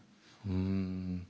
うん。